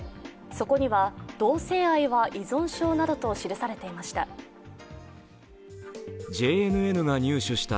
そこには「同性愛は依存症」などと記されていました。